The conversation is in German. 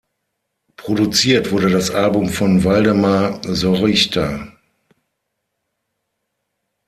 Produziert wurde das Album von Waldemar Sorychta.